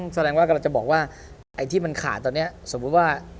แสดงว่ากำลังจะบอกว่าไอ้ที่มันขาดตอนนี้สมมุติว่า